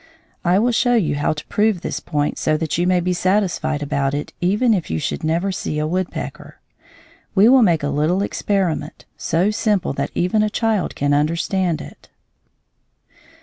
I will show you how to prove this point so that you may be satisfied about it even if you should never see a woodpecker. We will make a little experiment, so simple that even a child can understand it.